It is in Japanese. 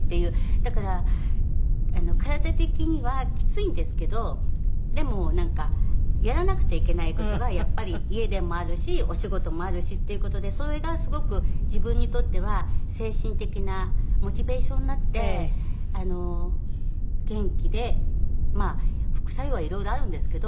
だから体的にはきついんですけどでもなんかやらなくちゃいけない事がやっぱり家でもあるしお仕事もあるしっていう事でそれがすごく自分にとっては精神的なモチベーションになって元気でまあ副作用は色々あるんですけど。